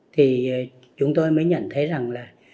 thì chúng tôi mới nhận thấy rằng là